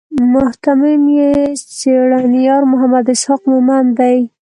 مهتمم یې څېړنیار محمد اسحاق مومند دی.